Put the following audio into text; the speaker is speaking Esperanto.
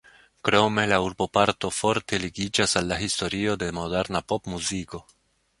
Krome la urboparto forte ligiĝas al la historio de moderna popmuziko.